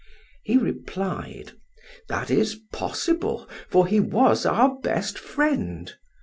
He replied: "That is possible, for he was our best friend.